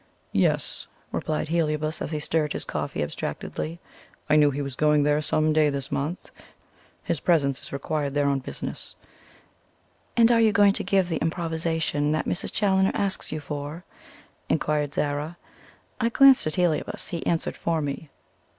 "Yes," replied Heliobas, as he stirred his coffee abstractedly. "I knew he was going there some day this month; his presence is required there on business." "And are you going to give the Improvisation this Mrs. Challoner asks you for?" inquired Zara. I glanced at Heliobas. He answered for me.